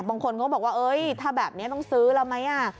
บางคนเขาบอกว่าถ้าแบบนี้ต้องซื้อแล้วไหม